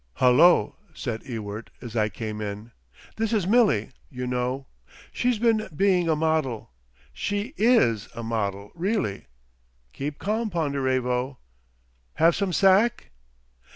"Hullo!" said Ewart, as I came in. "This is Milly, you know. She's been being a model—she IS a model really.... (keep calm, Ponderevo!) Have some sack?"